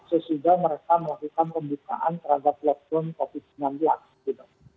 sesudah mereka melakukan pembukaan terhadap platform covid sembilan belas